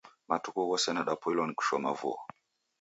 Matuku ghose nadapoilwa kushoma vuo